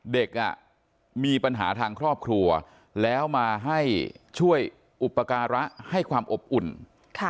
เด็กอ่ะมีปัญหาทางครอบครัวแล้วมาให้ช่วยอุปการะให้ความอบอุ่นค่ะ